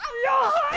はい。